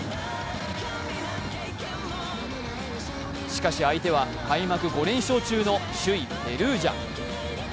しかし相手は開幕５連勝中の首位・ペルージャ。